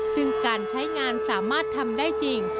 ซึ่งการใช้งานสามารถทำได้จริง